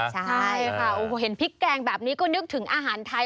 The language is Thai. ใช่ค่ะโอ้โหเห็นพริกแกงแบบนี้ก็นึกถึงอาหารไทย